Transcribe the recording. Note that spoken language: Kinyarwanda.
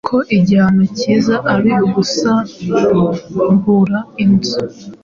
ko igihano cyiza ari ugusambura inzu